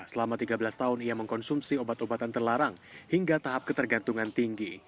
selama tiga belas tahun ia mengkonsumsi obat obatan terlarang hingga tahap ketergantungan tinggi